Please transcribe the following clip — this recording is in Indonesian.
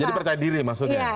jadi percaya diri maksudnya